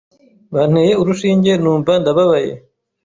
“Banteye urushinge numva ndababaye